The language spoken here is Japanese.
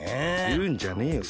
いうんじゃねえよ